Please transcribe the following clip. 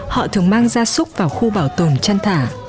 họ thường mang gia súc vào khu bảo tồn chăn thả